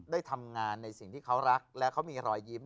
ได้ทำงานในสิ่งที่เขารักและเขามีรอยยิ้ม